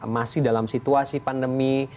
masih dalam situasi pandemi